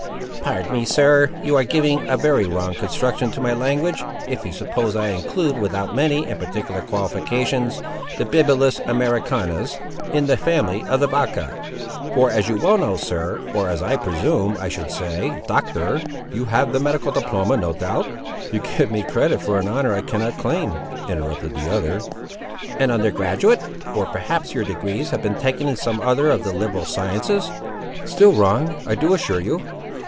"Pardon me, sir; you are giving a very wrong construction to my language, if you suppose I include, without many and particular qualifications, the bibulus Americanus, in the family of the vacca. For, as you well know, sir—or, as I presume I should say, Doctor; you have the medical diploma, no doubt?" "You give me credit for an honour I cannot claim," interrupted the other. "An under graduate!—or perhaps your degrees have been taken in some other of the liberal sciences?" "Still wrong, I do assure you."